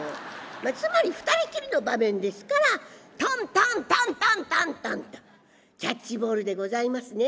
つまり二人っきりの場面ですからトントントントントントンとキャッチボールでございますね。